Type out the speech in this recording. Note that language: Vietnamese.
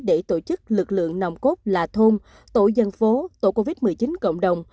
để tổ chức lực lượng nòng cốt là thôn tổ dân phố tổ covid một mươi chín cộng đồng